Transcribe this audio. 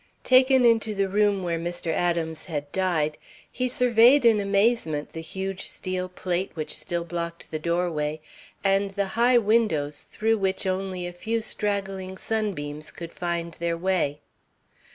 Taken into the room where Mr. Adams had died, he surveyed in amazement the huge steel plate which still blocked the doorway, and the high windows through which only a few straggling sunbeams could find their way.